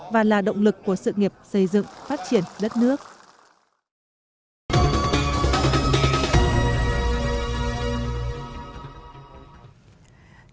và là động lực của sự nghiệp xây dựng phát triển đất nước